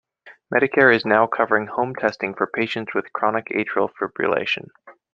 Medicare is now covering home testing for patients with chronic atrial fibrillation.